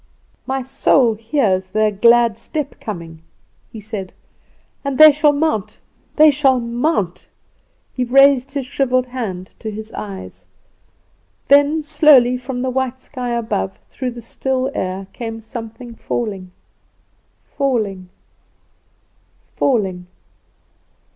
"'My soul hears their glad step coming,' he said; 'and they shall mount! they shall mount!' He raised his shrivelled hand to his eyes. "Then slowly from the white sky above, through the still air, came something falling, falling, falling.